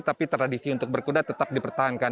tapi tradisi untuk berkuda tetap dipertahankan